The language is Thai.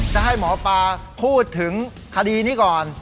จะให้หมอปลาพูดถึงคดีนี้ก่อน